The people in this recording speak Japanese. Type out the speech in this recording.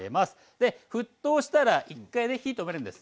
で沸騰したら１回ね火止めるんです。